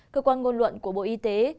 cơ quan ngôn luận của bộ y tế